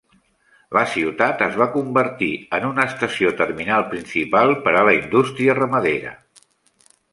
La ciutat es va convertir en una estació terminal principal per a la indústria ramadera.